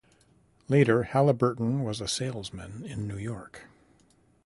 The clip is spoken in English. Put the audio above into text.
Later, Halliburton was a salesman in New York.